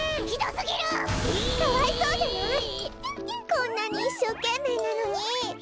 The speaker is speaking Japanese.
こんなにいっしょうけんめいなのに！